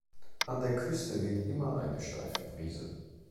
An der Küste weht immer eine steife Brise.